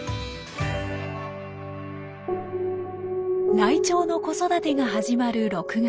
ライチョウの子育てが始まる６月。